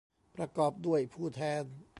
ประกอบด้วยผู้แทน